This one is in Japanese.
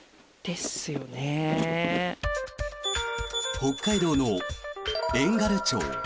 北海道の遠軽町。